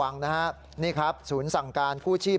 นี่ครับศูนย์สั่งการคู่ชีพ